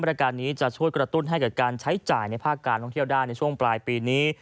การนี้จะช่วยกระตุ้นให้เกิดการใช้จ่ายในภาคการท่องเที่ยวได้ในช่วงปลายปีนี้